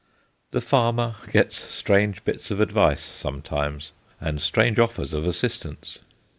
The farmer gets strange bits of advice sometimes, and strange offers of assistance.